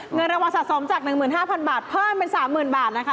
เงินรางวัลสะสมจาก๑๕๐๐บาทเพิ่มเป็น๓๐๐๐บาทนะคะ